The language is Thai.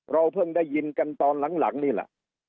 เพิ่งได้ยินกันตอนหลังนี่แหละ